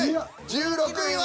１６位は。